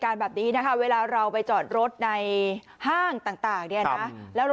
เขาบอกตรงเนี่ยลูกค้าวงจรปิดทำไมน้อยจัง